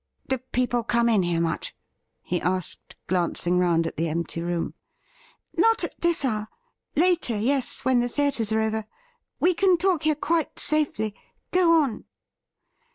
' Do people come in here much ? he asked, glancing round at the empty room. 'Not at .this hour; later, yes, when the theatres are over. We can talk here quite safely. Go on.'